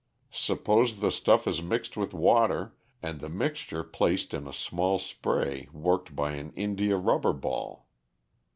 Suppose the stuff is mixed with water and the mixture placed in a small spray worked by an india rubber ball.